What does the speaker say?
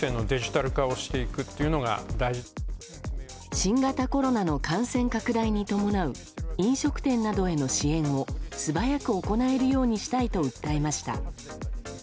新型コロナの感染拡大に伴う飲食店などへの支援を素早く行えるようにしたいと訴えました。